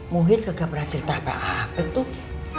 muhid gak pernah cerita apa apa tuh